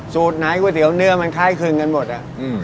สูตรไหนก๋วยเตี๋ยวเนื้อมันคล้ายคลึงกันหมด